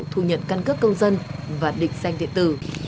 thu nhận căn cấp công dân và định danh địa tử